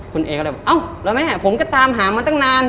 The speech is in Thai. ก็เลยก็เอ้าเราไม่ได้ผมก็ตามหามันตั้งนาน